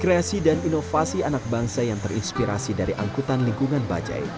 kreasi dan inovasi anak bangsa yang terinspirasi dari angkutan lingkungan bajai